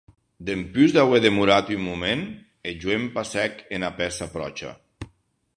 Dempús d’auer demorat un moment, eth joen passèc ena pèça pròcha.